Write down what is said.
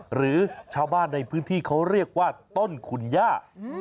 หรือชาวบ้านในพื้นที่เขาเรียกว่าต้นคุณย่า